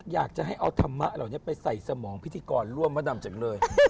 อยากจะให้เอาธรรมะเหล่านี้ไปใส่สมองพิธีกรร่วมมะดำจังเลย